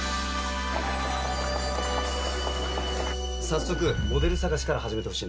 早速モデル探しから始めてほしいんだ。